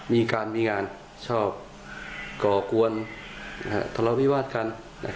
มีการมีงานชอบก่อกวนทะเลาวิวาสกัน